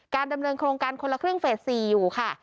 ดำเนินโครงการคนละครึ่งเฟส๔อยู่ค่ะ